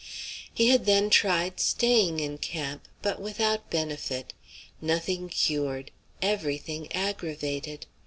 He had then tried staying in camp, but without benefit, nothing cured, every thing aggravated.